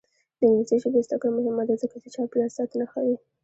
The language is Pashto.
د انګلیسي ژبې زده کړه مهمه ده ځکه چې چاپیریال ساتنه ښيي.